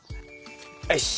よし。